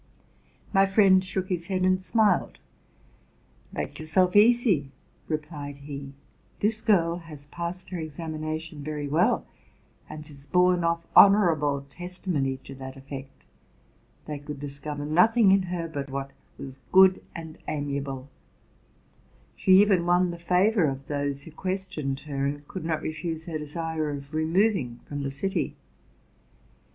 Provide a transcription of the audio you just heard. My friend shook his head and smiled. '* Make yourself easy,' replied he: '+ this girl has passed her examination very well, and has borne off honorable testimony to that effect. They could discover nothing in her but what was good and amiable: she even won the favor of those who questioned her, and could not refuse her desire of removing from the city.